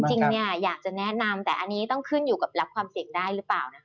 จริงอยากจะแนะนำแต่อันนี้ต้องขึ้นอยู่กับรับความเสี่ยงได้หรือเปล่านะคะ